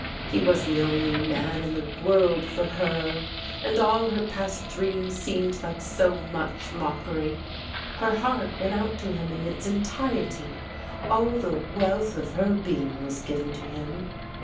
He was the only man in the world for her, and all her past dreams seemed like so much mockery. Her heart went out to him in its en tirety. All the wealth of her being was given to him.